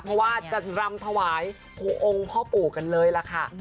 เพราะว่าจะรำถวายองค์พ่อปู่กันเลยล่ะค่ะ